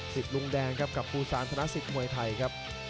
สิทธิ์รุงแดงครับกับภูสานทนศิษย์มวยไทยครับ